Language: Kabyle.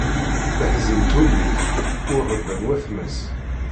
Teḥzen twellit, ur ṛebban watma-s.